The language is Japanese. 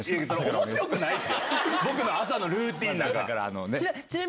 僕の朝のルーティンなんか。